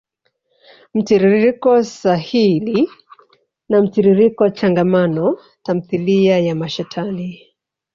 mtiririko sahili na mtiririko changamano. Tamthilia ya mashetani.